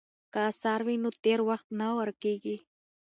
که اثار وي نو تېر وخت نه ورکیږي.